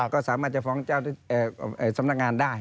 ก็สามารถจะฟ้องเจ้าสำนักงานได้